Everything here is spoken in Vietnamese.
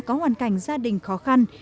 có hoàn cảnh gia đình khó khăn